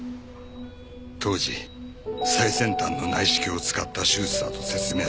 当時最先端の内視鏡を使った手術だと説明されました。